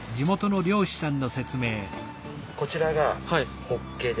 こちらがホッケで。